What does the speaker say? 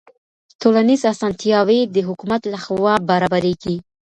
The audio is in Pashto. ټولنیز اسانتیاوې د حکومت لخوا برابریږي.